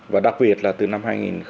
và đặc biệt là từ năm hai nghìn một mươi sáu